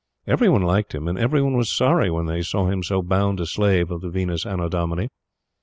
Every one liked him, and every one was sorry when they saw him so bound a slave of the Venus Annodomini.